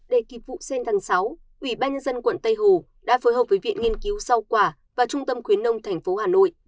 để kịp vụ sen tháng sáu ủy ban nhân dân quận tây hồ đã phối hợp với viện nghiên cứu sao quả và trung tâm khuyến nông tp hà nội